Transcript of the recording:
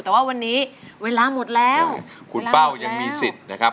แต่ว่าวันนี้เวลาหมดแล้วคุณเป้ายังมีสิทธิ์นะครับ